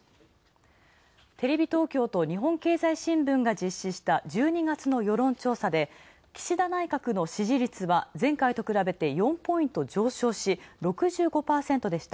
テレビ東京と日本経済新聞社が実施した１２月の世論調査で岸田内閣の支持率は前回と比べて４ポイント上昇し、６５％でした。